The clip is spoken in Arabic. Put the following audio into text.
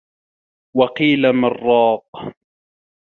وَقيلَ مَن راقٍ